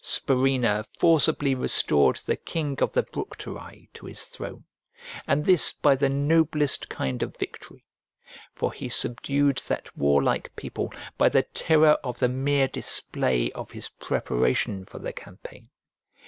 Spurinna forcibly restored the king of the Bructeri to his throne; and this by the noblest kind of victory; for he subdued that warlike people by the terror of the mere display of his preparation for the campaign.